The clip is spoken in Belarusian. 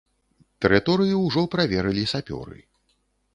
Тэрыторыю ўжо праверылі сапёры.